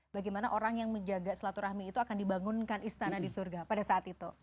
bagaimana orang yang menjaga silaturahmi itu akan dibangunkan istana di surga pada saat itu